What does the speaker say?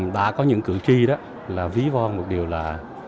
đã có những cử tri đó là ví von một điều là